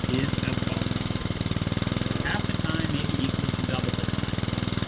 C •••• C " Half the time may be equal to double the time.